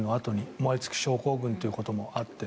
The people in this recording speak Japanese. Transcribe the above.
燃え尽き症候群ということもあって。